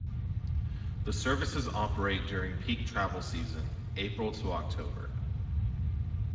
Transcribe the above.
The services operate during peak travel season- April to October.